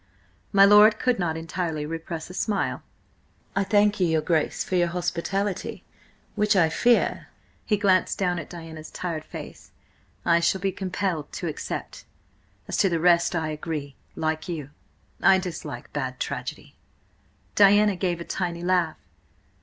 My lord could not entirely repress a smile. "I thank your Grace for your hospitality, which I fear," he glanced down at Diana's tired face, "I shall be compelled to accept. As to the rest–I agree. Like you, I dislike bad tragedy." Diana gave a tiny laugh.